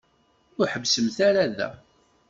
Ur ḥebbsemt ara da.